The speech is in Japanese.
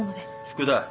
福田